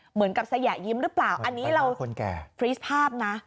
เหมือนกับสยะยิ้มหรือเปล่าอันนี้เราฟรีสภาพนะ